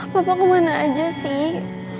papa kemana aja sih